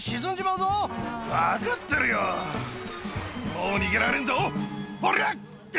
もう逃げられんぞほりゃ！